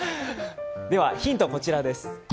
ヒント、こちらです。